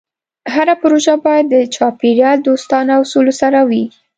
هره پروژه باید د چاپېریال دوستانه اصولو سره وي.